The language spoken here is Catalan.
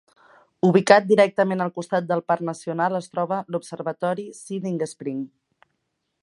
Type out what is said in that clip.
Ubicat directament al costat del parc nacional es troba l'observatori de Siding Spring.